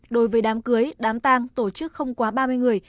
đối với đám cưới đám tang tổ chức không quá ba mươi người